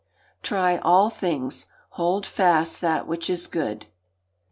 [TRY ALL THINGS, HOLD FAST THAT WHICH IS GOOD.